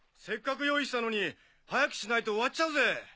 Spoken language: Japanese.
せっかく用意したのに早くしないと終わっちゃうぜ。